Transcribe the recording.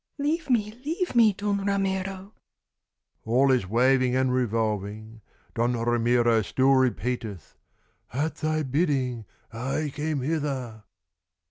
"Leave me, leave me, Don Ramiro!" All is waving and revolving. Don Ramiro still repeateth, "At thy bidding I came hither."